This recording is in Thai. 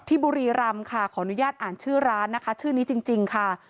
บุรีรำค่ะขออนุญาตอ่านชื่อร้านนะคะชื่อนี้จริงค่ะ